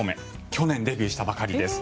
去年デビューしたばかりです。